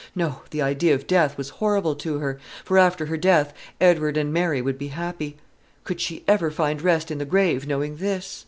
No: the idea of death was horrible to her; for after her death Edward and Mary would be happy. Could she ever find rest in the grave, knowing this?